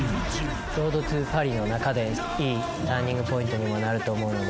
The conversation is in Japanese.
ちょうどパリの中で、いいターニングポイントにもなると思うので。